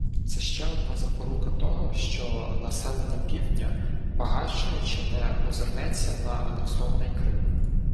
Це ще одна запорука того, що населення Півдня, багатшаючи, не озирнеться на анексований Крим